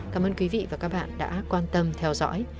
cảm ơn quý vị và các bạn đã quan tâm theo dõi